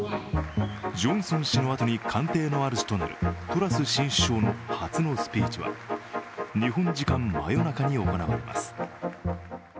ジョンソン氏のあとに官邸の主となるトラス新首相の初のスピーチは日本時間真夜中に行われます。